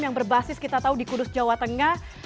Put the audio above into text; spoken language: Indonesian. yang berbasis kita tahu di kudus jawa tengah